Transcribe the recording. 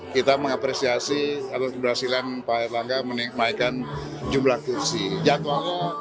kita mengapresiasi atau berhasilan pak herlangga menikmati jumlah kursi jadwal